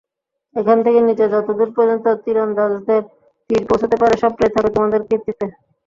এখান থেকে নিচে যতদূর পর্যন্ত তীরন্দাজদের তীর পৌঁছতে পারে সবটাই থাকবে তোমাদের কর্তৃত্বে।